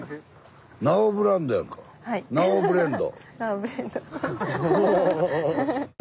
ナオブレンド。